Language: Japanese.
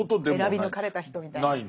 選び抜かれた人みたいな。